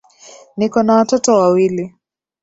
Niko na watoto wawili